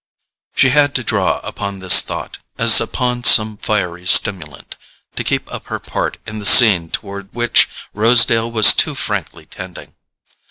She had to draw upon this thought, as upon some fiery stimulant, to keep up her part in the scene toward which Rosedale was too frankly tending.